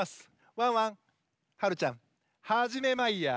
ワンワンはるちゃんはじめマイヤー。